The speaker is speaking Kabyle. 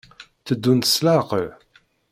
Tteddunt s leɛqel.